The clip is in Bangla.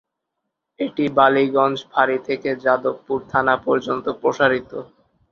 এটি বালিগঞ্জ ফাঁড়ি থেকে যাদবপুর থানা পর্যন্ত প্রসারিত।